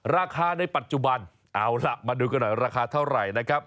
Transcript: ราคาในปัจจุบันเอาล่ะมาดูกันหน่อยราคาเท่าไหร่นะครับ